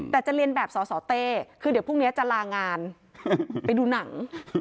แต่จะเรียนแบบสสเต้คือเดี๋ยวพรุ่งนี้จะลางานไปดูหนัง